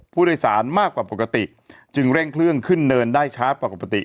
ผู้โดยสารมากกว่าปกติจึงเร่งเครื่องขึ้นเนินได้ช้ากว่าปกติ